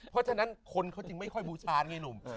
เพราะฉะนั้นคนเขาจึงไม่ค่อยบูชาไงหนุ่ม